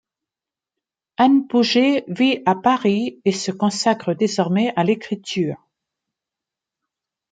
Anne Pouget vit à Paris et se consacre désormais à l’écriture.